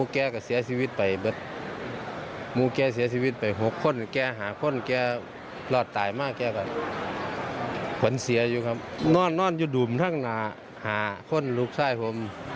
เขานอนอยู่ดลุมทางหน้าหาคนลูกชายผม